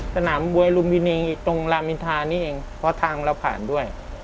สนามมวยลุมพินีตรงรามอินทานี่เองเพราะทางเราผ่านด้วย